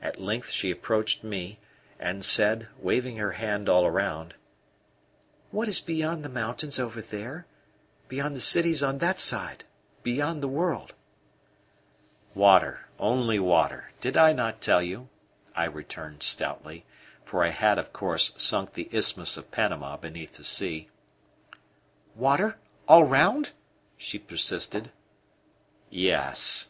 At length she approached me and said, waving her hand all round: "What is beyond the mountains over there, beyond the cities on that side beyond the world?" "Water, only water. Did I not tell you?" I returned stoutly; for I had, of course, sunk the Isthmus of Panama beneath the sea. "Water! All round?" she persisted. "Yes."